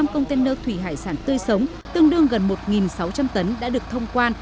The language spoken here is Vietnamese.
một trăm sáu mươi năm container thủy hải sản tươi sống tương đương gần một sáu trăm linh tấn đã được thông quan